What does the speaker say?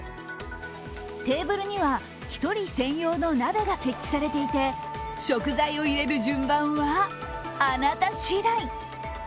テーブルには１人専用の鍋が設置されていて食材を入れる順番はあなた次第。